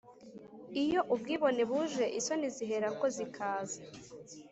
iyo ubwibone buje isoni ziherako zikaza,